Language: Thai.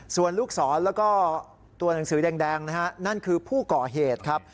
ส่วนลูกศรแล้วก็ตัวหนังสือแดงนะฮะนั่นคือผู้ก่อเหตุครับ